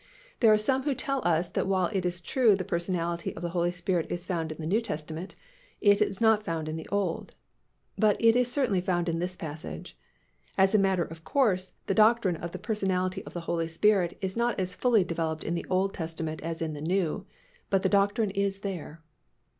There are some who tell us that while it is true the personality of the Holy Spirit is found in the New Testament, it is not found in the Old. But it is certainly found in this passage. As a matter of course, the doctrine of the personality of the Holy Spirit is not as fully developed in the Old Testament as in the New. But the doctrine is there.